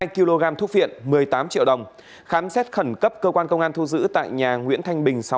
hai kg thuốc viện một mươi tám triệu đồng khám xét khẩn cấp cơ quan công an thu giữ tại nhà nguyễn thanh bình